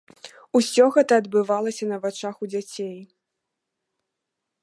Усё гэта адбывалася на вачах у дзяцей.